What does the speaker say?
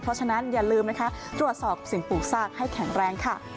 เพราะฉะนั้นอย่าลืมนะคะตรวจสอบสิ่งปลูกซากให้แข็งแรงค่ะ